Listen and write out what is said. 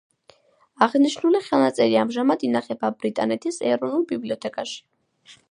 აღნიშნული ხელნაწერი ამჟამად ინახება ბრიტანეთის ეროვნულ ბიბლიოთეკაში.